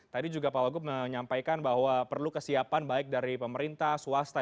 tadi juga pak wagub menyampaikan bahwa perlu kesiapan baik dari pemerintah swasta